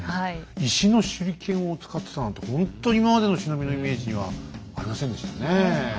石の手裏剣を使ってたなんてほんと今までの忍びのイメージにはありませんでしたねえ。